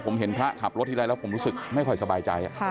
ผมเห็นพระขับรถทีไรแล้วผมรู้สึกไม่ค่อยสบายใจ